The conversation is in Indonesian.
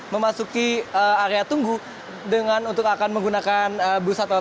memasuki area tunggu dengan untuk akan menggunakan bus atau